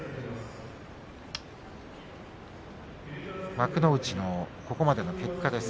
幕内のここまでの結果です。